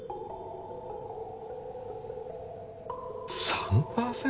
３％？